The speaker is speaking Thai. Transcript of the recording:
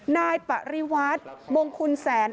นายปริวัติมงคุณแสน